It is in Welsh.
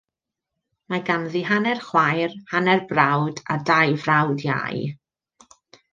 Mae ganddi hanner chwaer, hanner brawd, a dau frawd iau.